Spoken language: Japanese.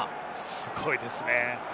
すごいですね。